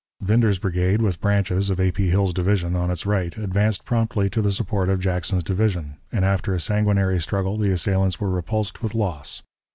Winder's brigade, with Branch's, of A. P. Hill's division, on its right, advanced promptly to the support of Jackson's division, and after a sanguinary struggle the assailants were repulsed with loss.